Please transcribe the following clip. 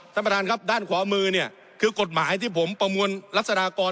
ท่านประธานครับด้านขวามือเนี่ยคือกฎหมายที่ผมประมวลรัศดากร